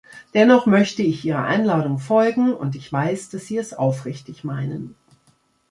Dennoch möchte ich Ihrer Einladung folgen, und ich weiß, dass Sie es aufrichtig meinen.